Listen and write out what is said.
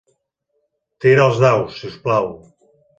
Tira els daus, si us plau.